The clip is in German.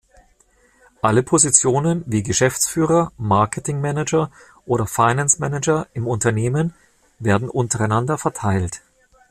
Alle Positionen wie Geschäftsführer, Marketing Manager oder Finance Manager im Unternehmen werden untereinander verteilt.